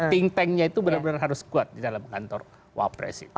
ting tangnya itu benar benar harus kuat di dalam kantor wakil presiden